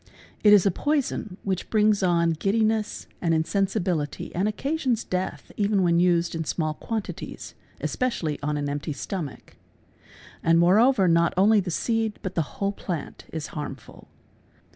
It is a poison which brings on giddiness and insensibility and occasions death even when used in small — quantities, especially on an empty stomach, and moreover not only the © seed but the whole plant is harmful.